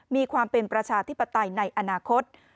มีความเป็นประชาธิปไตยในอนาคต